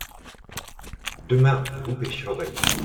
Demain vous pêcherez.